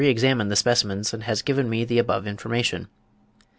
137, has re examined the specimens, and has given me the above information.)